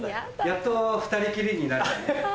やっと２人きりになれたね。